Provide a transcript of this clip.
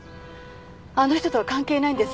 あの人とは関係ないんです。